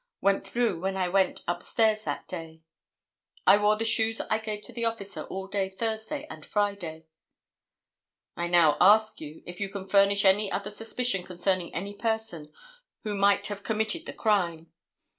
Went through when I went up stairs that day. I wore the shoes I gave to the officer all day Thursday and Friday." "I now ask you if you can furnish any other suspicion concerning any person who might have committed the crime?"